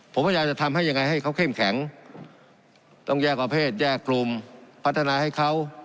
ผมพยายามจะทำให้ยังไงให้เขาเข้มแข็งต้องแยกประเภทแยกกลุ่มพัฒนาให้เขา